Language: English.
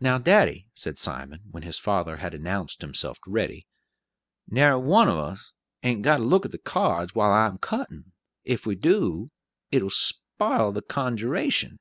"Now, daddy," said Simon, when his father had announced himself ready, "narry one of us ain't got to look at the cards, while I'm a cuttin'; if we do, it'll spile the conjuration."